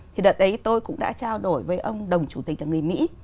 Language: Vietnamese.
thì đợt đấy tôi cũng đã trao đổi với ông đồng chủ tịch là người mỹ